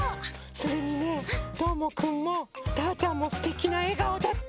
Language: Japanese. それにねどーもくんもたーちゃんもすてきなえがおだった。